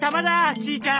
ちーちゃん！